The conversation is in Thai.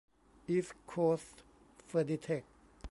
อีสต์โคสท์เฟอร์นิเทค